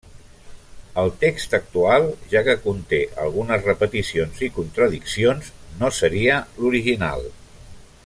El text actual, ja que conté algunes repeticions i contradiccions no seria l'original.